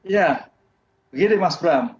ya begini mas bram